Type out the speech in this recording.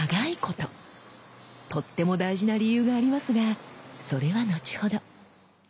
とっても大事な理由がありますがそれは後ほど。